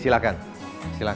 apa yang harus diterima